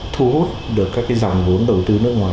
thu hút được các dòng vốn đầu tư nước ngoài